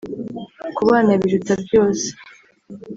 kubana biruta byose